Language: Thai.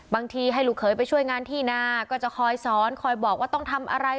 ให้ลูกเขยไปช่วยงานที่นาก็จะคอยสอนคอยบอกว่าต้องทำอะไร